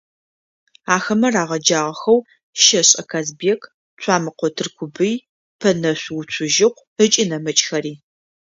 Ахэмэ рагъэджагъэхэу ЩэшӀэ Казбек, Цуамыкъо Тыркубый, Пэнэшъу Уцужьыкъу ыкӏи нэмыкӏхэри.